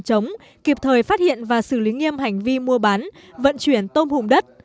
chống kịp thời phát hiện và xử lý nghiêm hành vi mua bán vận chuyển tôm hùm đất